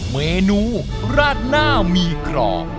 เมนูราดหน้ามีกรอบ